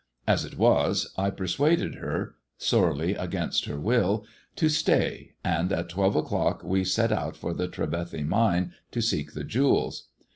As it was I persuaded her — sorely against her will — to stay, and at twelve o'clock we set out for the Trevethy Mine to seek the jewels.